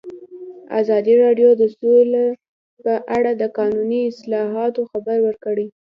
ازادي راډیو د سوله په اړه د قانوني اصلاحاتو خبر ورکړی.